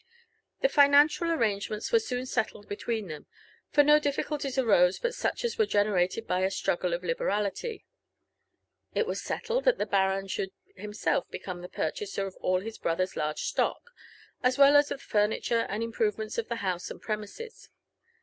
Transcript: The financial arrangements were soon settled between them, for no difficulties arose but such as were generated by a struggle of liberalily. It was settled that the baron should himself become the purchaser of all his brother's large stock, as well as of the furniture, and improve ments of the house and premises.